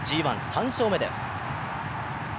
ＧⅠ・３勝目です。